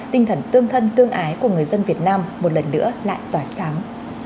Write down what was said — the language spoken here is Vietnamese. tinh thần tương thân tương ái của người dân việt nam một lần nữa lại tỏa sáng